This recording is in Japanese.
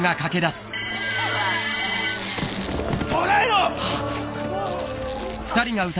捕らえろ！